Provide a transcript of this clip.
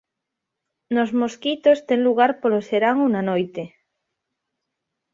Nos mosquitos ten lugar polo serán ou na noite.